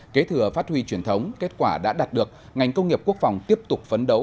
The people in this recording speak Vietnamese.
kế thừa phát huy truyền thống kết quả đã đạt được ngành công nghiệp quốc phòng tiếp tục phấn đấu